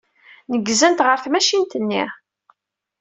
Neggzent ɣer tmacint-nni.